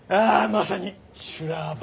まさに修羅場。